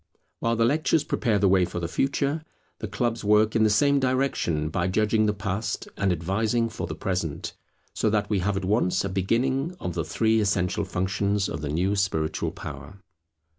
While the lectures prepare the way for the Future, the clubs work in the same direction by judging the Past, and advising for the Present; so that we have at once a beginning of the three essential functions of the new spiritual power.